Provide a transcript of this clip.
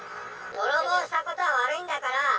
泥棒したことは悪いんだから。